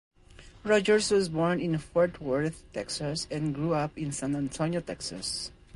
Rogers was born in Fort Worth, Texas, and grew up in San Antonio, Texas.